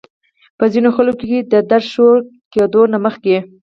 پۀ ځينې خلکو کې د درد شورو کېدو نه مخکې